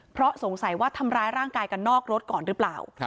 เพราะสงสัยว่าทำร้ายร่างกายกันนอกรถก่อนหรือเปล่า